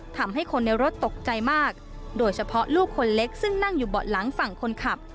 ทำให้คนในรถตกใจมากโดยเฉพาะลูกคนเล็กซึ่งนั่งอยู่เบาะหลังฝั่งคนขับ